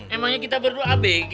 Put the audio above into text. emangnya kita berdua abg